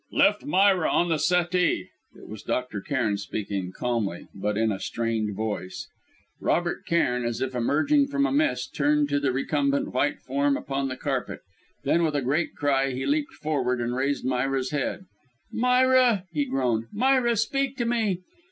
"Lift Myra on the settee!" It was Dr. Cairn speaking, calmly, but in a strained voice. Robert Cairn, as if emerging from a mist, turned to the recumbent white form upon the carpet. Then, with a great cry, he leapt forward and raised the girl's head. "Myra!" he groaned. "Myra, speak to me."